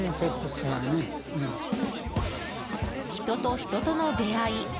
人と人との出会い。